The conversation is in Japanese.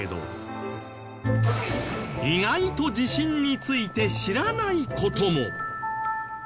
意外と地震について知らない事も？